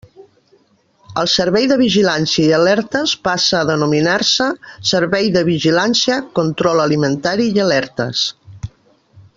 El Servei de Vigilància i Alertes passa a denominar-se Servei de Vigilància, Control Alimentari i Alertes.